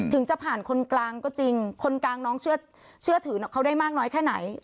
ถึงจะผ่านคนกลางก็จริงคนกลางน้องเชื่อถือเขาได้มากน้อยแค่ไหน